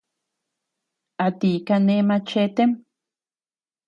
¿A ti kane machetem?